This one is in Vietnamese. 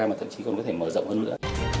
mà thậm chí còn có thể mở rộng hơn nữa